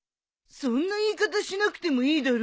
そんな言い方しなくてもいいだろう。